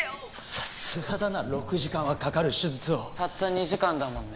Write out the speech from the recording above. さすがだな６時間はかかる手術をたった２時間だもんね